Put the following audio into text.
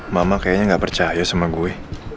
mama kayaknya nggak percaya sama gue